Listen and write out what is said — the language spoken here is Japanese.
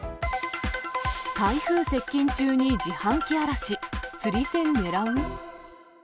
台風接近中に自販機荒らし、釣り銭狙う？